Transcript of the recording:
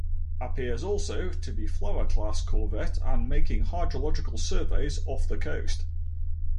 Appears also to be Flower Class corvette and making hydrological surveys off the coast.